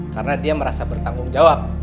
karna dia merasa bertangung jawab